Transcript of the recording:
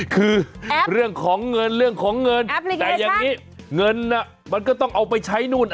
คือเรื่องของเงินเรื่องของเงินแต่อย่างนี้เงินมันก็ต้องเอาไปใช้นู่น